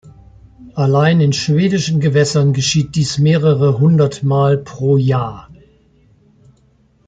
Allein in schwedischen Gewässern geschieht dies mehrere hundert Mal pro Jahr.